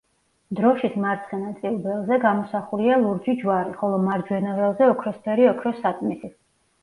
დროშის მარცხენა წილ ველზე გამოსახულია ლურჯი ჯვარი, ხოლო მარჯვენა ველზე ოქროსფერი ოქროს საწმისი.